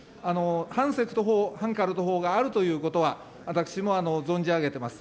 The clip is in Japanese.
反セクト法、反カルト法があるということは、私も存じ上げてます。